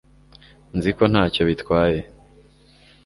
nzi ko ntacyo bitwaye